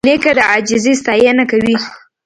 نیکه د عاجزۍ ستاینه کوي.